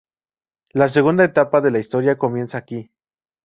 La segunda etapa de la historia comienza aquí.